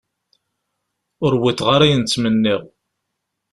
Ur wwiḍeɣ ara ayen i ttmenniɣ.